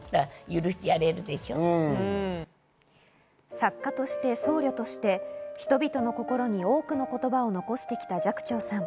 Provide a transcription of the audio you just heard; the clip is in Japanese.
作家として僧侶として人々の心に多くの言葉を残してきた寂聴さん。